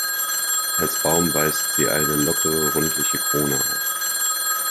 Als Baum weist sie eine lockere, rundliche Krone auf.